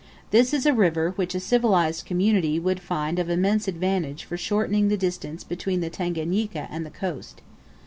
This is a river which a civilised community would find of immense advantage for shortening the distance between the Tanganika and the coast.